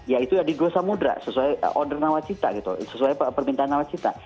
ya itu ya di go samudera sesuai order nawacita gitu sesuai permintaan nawacita